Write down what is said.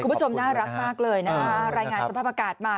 คุณผู้ชมน่ารักมากเลยนะคะรายงานสภาพอากาศมา